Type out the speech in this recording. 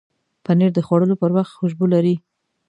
پنېر د خوړلو پر وخت خوشبو لري.